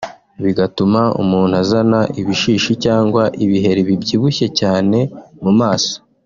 bigatuma umuntu azana ibishishi cyangwa ibiheri bibyibushye cyane mu maso